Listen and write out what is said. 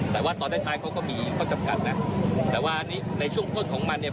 แต่ว่าตอนท้ายเขาก็มีข้อจำกัดนะแต่ว่าอันนี้ในช่วงต้นของมันเนี่ย